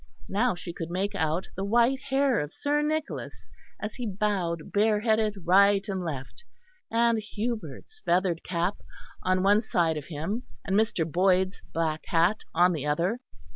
Now she could make out the white hair of Sir Nicholas, as he bowed bare headed right and left; and Hubert's feathered cap, on one side of him, and Mr. Boyd's black hat on the other.